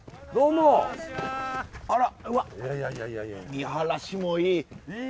見晴らしもいい。